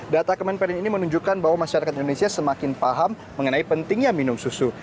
data kemenperin ini menunjukkan bahwa masyarakat indonesia semakin paham mengenai pentingnya minum susu